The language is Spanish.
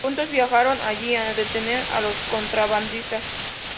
Juntos viajaron allí a detener a los contrabandistas.